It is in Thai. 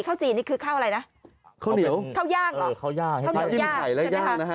ข้าวจีนนี่คือข้าวอะไรนะข้าวเหนียวข้าวย่างเหรอข้าวย่างข้าวเหนียวจิ้มไข่แล้วย่างนะฮะ